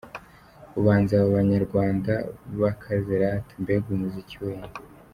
Ubanza aba banyarwanda bakaze rata, mbega umuziki weeeee.